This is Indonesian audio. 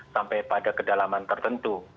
sampai pada kedalaman tertentu